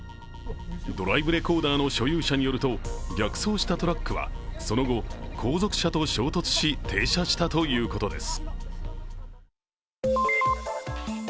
ドライブレコーダーの所有者によると逆走したトラックはその後後続車と衝突し停車したということです。